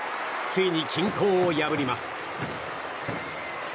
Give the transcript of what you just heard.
ついに均衡を破ります。